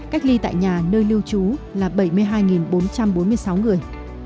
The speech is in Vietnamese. cách ly tại nhà nơi lưu trú là bảy mươi hai bốn trăm bốn mươi sáu người